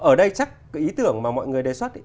ở đây chắc cái ý tưởng mà mọi người đề xuất ấy